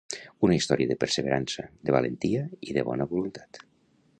Una història de perseverança, de valentia i de bona voluntat.